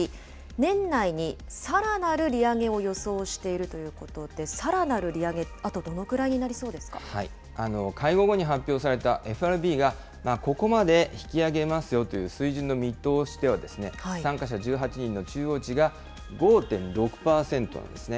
年内にさらなる利上げを予想しているということで、さらなる利上げって、あとどのくらいになりそ会合後に発表されたＦＲＢが、ここまで引き上げますよという水準の見通しでは、参加者１８人の中央値が５．６％なんですね。